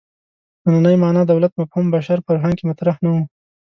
نننۍ معنا دولت مفهوم بشر فرهنګ کې مطرح نه و.